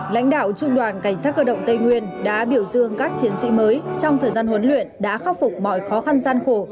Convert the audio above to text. lãnh đạo trung đoàn cảnh sát cơ động tây nguyên đã biểu dương các chiến sĩ mới trong thời gian huấn luyện đã khắc phục mọi khó khăn gian khổ